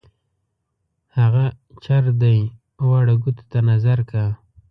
هغه چر دی واړه ګوتو ته نظر کا.